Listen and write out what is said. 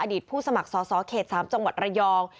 ผู้สมัครสอสอเขต๓จังหวัดระยอง